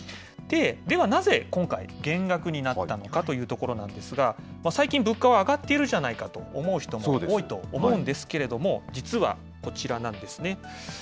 ではなぜ、今回、減額になったのかというところなんですが、最近、物価は上がっているじゃないかと思う人も多いと思うんですけれども、実はこちらなんですね。